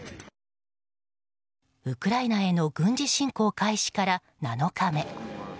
ウクライナへの軍事侵攻開始から７日目。